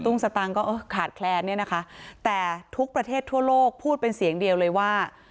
สตางค์ก็เออขาดแคลนเนี่ยนะคะแต่ทุกประเทศทั่วโลกพูดเป็นเสียงเดียวเลยว่า